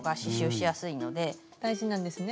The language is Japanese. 大事なんですね。